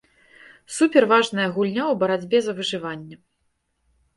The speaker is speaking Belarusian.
Суперважная гульня ў барацьбе за выжыванне.